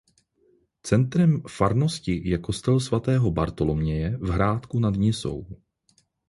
Centrem farnosti je kostel svatého Bartoloměje v Hrádku nad Nisou.